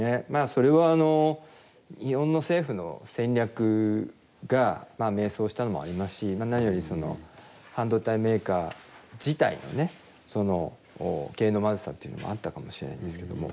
それは日本の政府の戦略が迷走したのもありますし何よりその半導体メーカー自体のね経営のまずさっていうのもあったかもしれないんですけども。